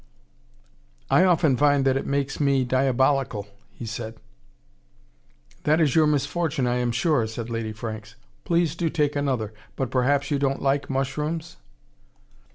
"I often find it makes me feel diabolical," said he. "That is your misfortune, I am sure," said Lady Franks. "Please do take another but perhaps you don't like mushrooms?"